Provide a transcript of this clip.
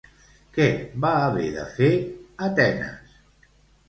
Què va haver de fer Atenes?